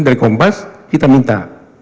dari kompas kita minta